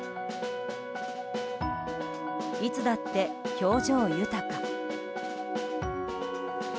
いつだって、表情豊か。